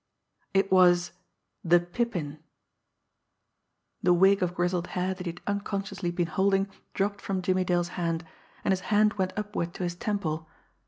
It was the Pippin. The wig of grizzled hair that he had unconsciously been holding dropped from Jimmie Dale's hand, and his hand went upward to his temple.